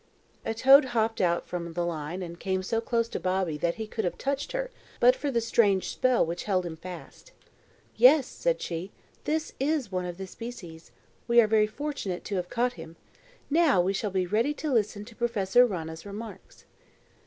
A toad hopped out from the line and came so close to Bobby that he could have touched her but for the strange spell which held him fast. "Yes," said she; "this is one of the species. We are very fortunate to have caught him. Now we shall be ready to listen to Professor Rana's remarks."